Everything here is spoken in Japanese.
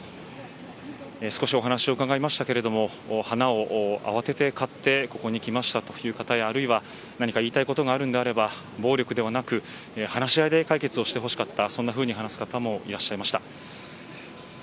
少しお話を伺いましたが花を慌てて買ってここに来ましたという方や何か言いたいいことがあるんであれば暴力ではなく話し合いで解決してほしかったという方もいらっしゃいました。